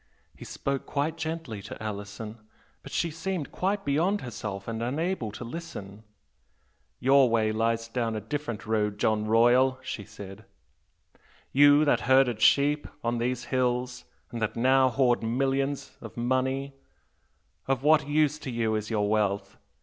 He spoke quite gently to Alison, but she seemed quite beyond herself and unable to listen. 'Your way lies down a different road, John Royal' she said 'You that herded sheep on these hills and that now hoard millions of money of what use to you is your wealth?